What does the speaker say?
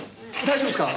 大丈夫っすか？